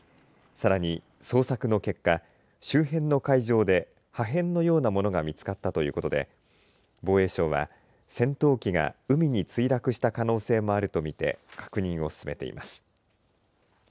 さらに捜索の結果周辺の海上で破片のようなものが見つかったということで防衛省は戦闘機が海に墜落した可能性もあるとみて確認を進めています。